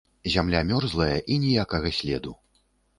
Зямля мёрзлая, і ніякага следу.